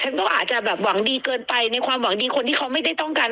ฉันก็อาจจะแบบหวังดีเกินไปในความหวังดีคนที่เขาไม่ได้ต้องการ